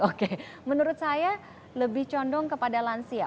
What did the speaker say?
oke menurut saya lebih condong kepada lansia